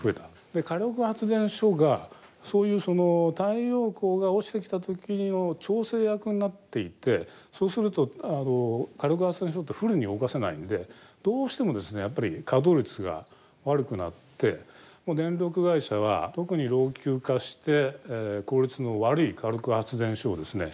で火力発電所がそういうその太陽光が落ちてきた時の調整役になっていてそうすると火力発電所ってフルに動かせないんでどうしてもやっぱり稼働率が悪くなってもう電力会社は特に老朽化して効率の悪い火力発電所をですね